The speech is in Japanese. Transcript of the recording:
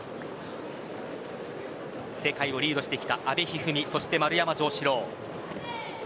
世界をリードしてきた阿部一二三そして丸山城志郎。